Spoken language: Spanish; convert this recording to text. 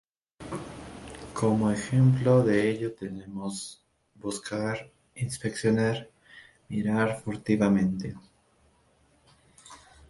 Como ejemplo de ello tenemos 覓, ‘buscar’; 視, ‘inspeccionar’; 覗, ‘mirar furtivamente’.